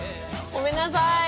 ごめんなさい。